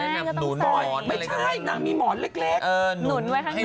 โหมนไม่ใช่นางงามมีหมอนเล็กหนุนไว้ข้างใน